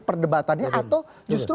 perdebatannya atau justru